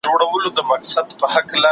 نیوکلاسیکانو د سرمایې پر کیفیت بحث کاوه.